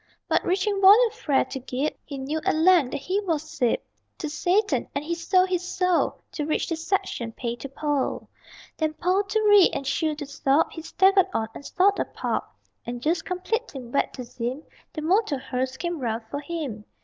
But reaching volume Fra to Gib, He knew at length that he was sib To Satan; and he sold his soul To reach the section Pay to Pol. Then Pol to Ree, and Shu to Sub He staggered on, and sought a pub. And just completing Vet to Zym, The motor hearse came round for him.